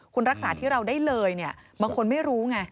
คุณรักษาที่เราได้เลยเนี่ยบางคนไม่รู้ไง